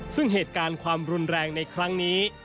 ซึ่งเหตุการณ์ความรุนแรงในครั้งนี้